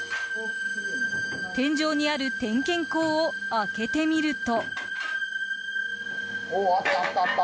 天井にある点検口を開けてみると。